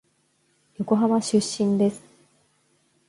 横浜出身です。